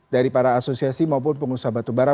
dari para asosiasi maupun pengusaha batu bara